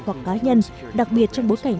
hoặc cá nhân đặc biệt trong bối cảnh